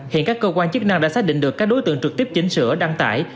hiện các cơ quan chức năng đã xác định được các đối tượng trực tiếp chỉnh sửa đăng tải